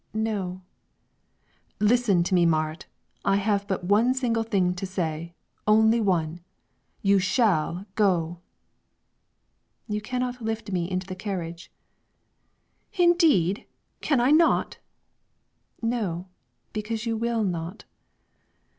"No." "Listen to me, Marit; I have but one single thing to say, only one: you shall go." "You cannot lift me into the carriage." "Indeed? Can I not?" "No; because you will not."